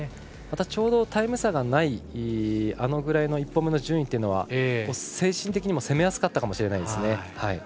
また、ちょうどタイム差がない１本目の順位というのは精神的にも攻めやすかったかもしれないですね。